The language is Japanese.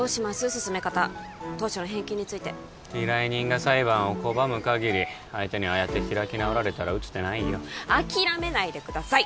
進め方当初の返金について依頼人が裁判を拒む限り相手にああやって開き直られたら打つ手ないよ諦めないでください！